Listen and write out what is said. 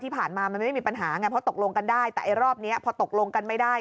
ที่ผ่านมามันไม่มีปัญหาไงเพราะตกลงกันได้แต่ไอ้รอบนี้พอตกลงกันไม่ได้